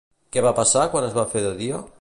Què va passar quan es va fer de dia?